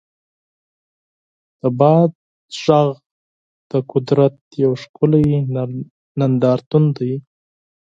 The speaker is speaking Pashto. د باد غږ د قدرت یو ښکلی نندارتون دی.